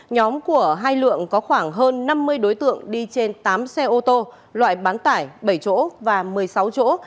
nhóm của hai lượng có khoảng hơn năm mươi đối tượng đi trên tám xe ô tô loại bán tải bảy chỗ và một mươi sáu chỗ